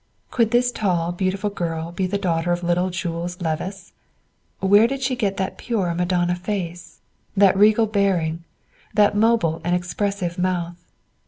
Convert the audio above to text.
Could this tall, beautiful girl be the daughter of little Jules Levice? Where did she get that pure Madonna face, that regal bearing, that mobile and expressive mouth?